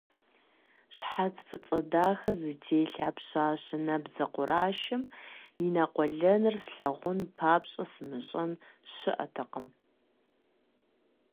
Щхьэц фӀыцӀэ дахэ зытелъ а пщащэ набдзэ къурашэм и нэкъуэлэныр слъагъун папщӀэ сымыщӀэн щыӀэтэкъым.